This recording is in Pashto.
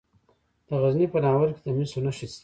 د غزني په ناور کې د مسو نښې شته.